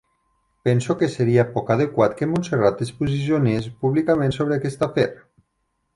Penso que seria poc adequat que Montserrat es posicionés públicament sobre aquest afer.